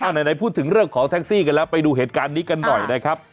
ไหนพูดถึงเรื่องของแท็กซี่กันแล้วไปดูเหตุการณ์นี้กันหน่อยนะครับ